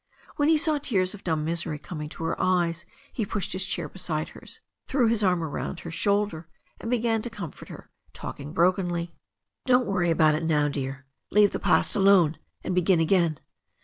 When he saw tears of dumb misery coming to her eyes he pushed his chair beside hers, threw his arm round her shoulder, and began to comfort her, talking brokenly. "Don't worry about it now, dear. Leave the past alone, and begin again.